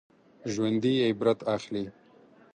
ژوندي عبرت اخلي